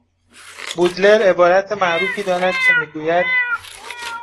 بودلر عبارت معروفی دارد که میگوید